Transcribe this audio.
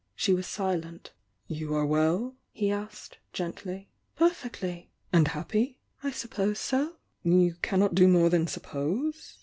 She was silent. "You are well?" he asked, gently. "Perfectly!" "And happy ?"__ "I suppose so." „ r. 1 •« "You cannot do more than suppose?